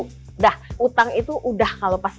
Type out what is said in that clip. sudah utang itu udah kalau pas